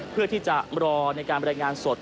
เพื่อที่จะรอในการบริการสด